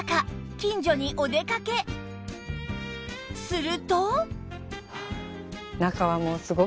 すると